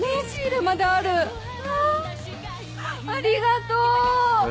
ありがとう！